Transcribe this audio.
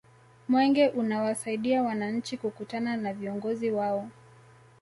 mwenge unawasaidia wananchi kukutana na viongozi wao